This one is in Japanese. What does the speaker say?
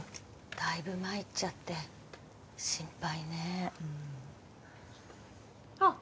だいぶ参っちゃって心配ねうんあっ